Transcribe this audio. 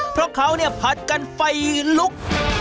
เพราะเขาเนี่ยผัดกันไฟลุก